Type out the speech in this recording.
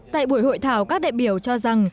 tại buổi hội thảo các đại biểu cho rằng